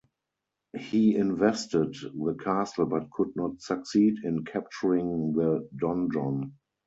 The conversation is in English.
He invested the castle, but could not succeed in capturing the "donjon".